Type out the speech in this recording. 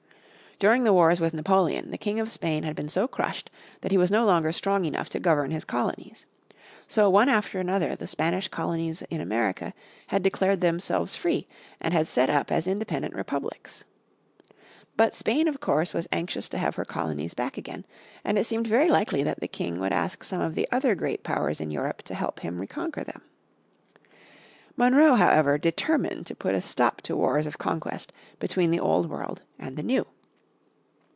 During the wars with Napoleon the King of Spain had been so crushed that he was no longer strong enough to govern his colonies. So one after another the Spanish colonies in America had declared themselves free and had set up as independent republics. But Spain of course was anxious to have her colonies back again, and it seemed very likely that the King would ask some of the other great powers in Europe to help him to reconquer them. Monroe however determined to put a stop to wars of conquest between the old world and the new.